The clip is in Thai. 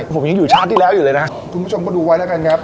ผมยังอยู่ชาติที่แล้วอยู่เลยนะคุณผู้ชมก็ดูไว้แล้วกันครับ